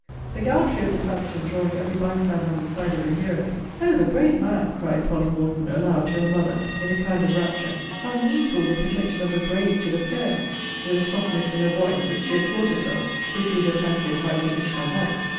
The gallantry of this action drawing every by stander on the side of the hero, O the brave man! cried Polly Horton, aloud, to her mother, in a kind of rapture, How needful the protection of the brave to the fair! with a softness in her voice, which she had taught herself, to suit her fancied high condition of life.